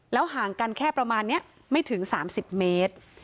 ห่างกันแค่ประมาณนี้ไม่ถึง๓๐เมตร